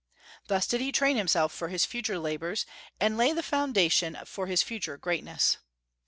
Thus did he train himself for his future labors, and lay the foundation for his future greatness.